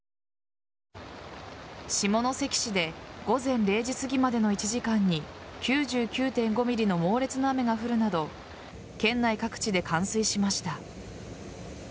下関市で午前０時すぎまでの１時間に９９．５ｍｍの猛烈な雨が降るなど県内各地で冠水しました。